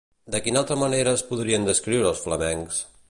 De quina altra manera es podrien descriure els flamencs?